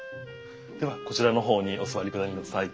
ではこちらの方にお座りください。